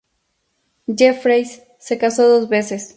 Jeffreys se casó dos veces.